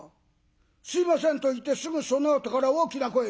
『すいません』と言ってすぐそのあとから大きな声で」。